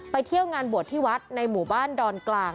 เที่ยวงานบวชที่วัดในหมู่บ้านดอนกลาง